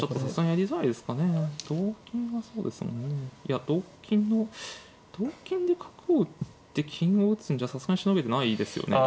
いや同金の同金で角を打って金を打つんじゃさすがにしのげてないですよね。